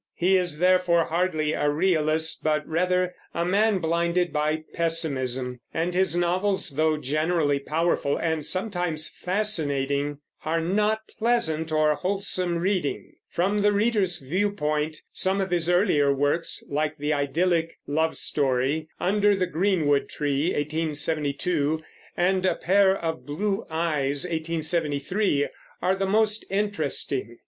He is, therefore, hardly a realist, but rather a man blinded by pessimism; and his novels, though generally powerful and sometimes fascinating, are not pleasant or wholesome reading. From the reader's view point some of his earlier works, like the idyllic love story Under the Greenwood Tree (1872) and A Pair of Blue Eyes (1873), are the most interesting.